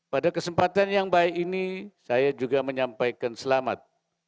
pada kesempatan yang baik ini saya juga menyampaikan selamat